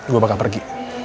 gua bakal pergi